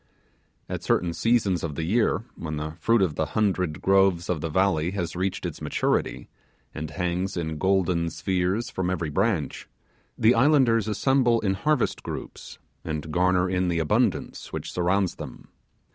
At a certain season of the year, when the fruit of the hundred groves of the valley has reached its maturity, and hangs in golden spheres from every branch, the islanders assemble in harvest groups, and garner in the abundance which surrounds them.